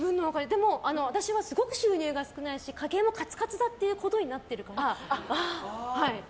でも、私はすごく収入が少ないし家計もカツカツだっていうことになっているから。